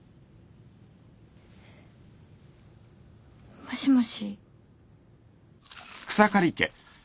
もしもし。